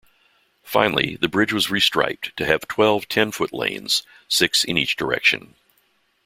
Finally, the bridge was restriped to have twelve ten-foot lanes, six in each direction.